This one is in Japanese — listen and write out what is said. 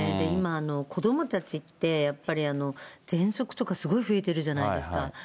今、子どもたちってやっぱり、ぜんそくとかすごい増えてるじゃないですか。